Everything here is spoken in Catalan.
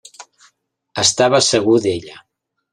Estava segur d'ella.